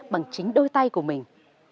bằng chính đôi tay của mình